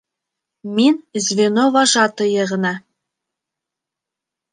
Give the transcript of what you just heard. Мин звено вожатыйы ғына.